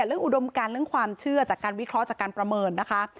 อุดมการเรื่องความเชื่อจากการวิเคราะห์จากการประเมินนะคะ